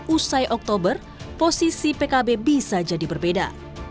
usai oktober posisi pkb bisa jadi berbeda